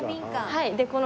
はい。